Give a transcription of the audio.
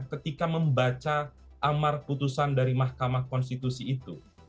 ketika membaca amar putusan dari mahkamah konstitusi itu